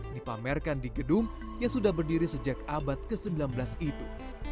dipamerkan di gedung yang sudah berdiri sejak abad ke sembilan belas itu